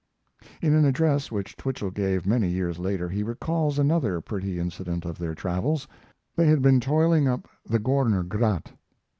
In an address which Twichell gave many years later he recalls another pretty incident of their travels. They had been toiling up the Gorner Grat.